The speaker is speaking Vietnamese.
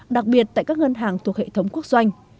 đặc biệt tại các ngân hàng thuộc hệ thống quốc doanh